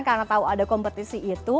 karena tahu ada kompetisi itu